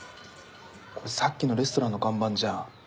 これさっきのレストランの看板じゃん。